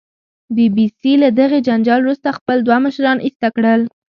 بي بي سي له دغې جنجال وروسته خپل دوه مشران ایسته کړل